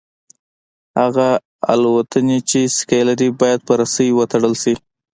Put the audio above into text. هغه الوتکې چې سکي لري باید په رسۍ وتړل شي